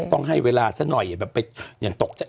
ต้องให้เวลาสักหน่อยอย่างตกใจ